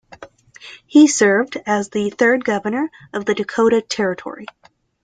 He served as the third Governor of Dakota Territory.